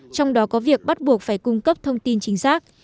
trong đó có việc bắt buộc phải cung cấp thông tin chính xác